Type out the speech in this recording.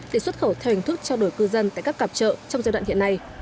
để xuất khẩu theo hình thức trao đổi cư dân tại các cặp chợ trong giai đoạn hiện nay